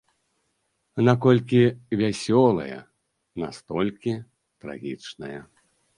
Наколькі вясёлае, настолькі трагічнае.